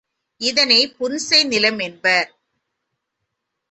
இதனைப் புன்செய் நிலம் என்பர்.